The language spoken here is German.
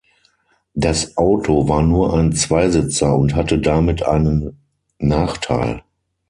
Das Auto war nur ein Zweisitzer und hatte damit einen Nachteil.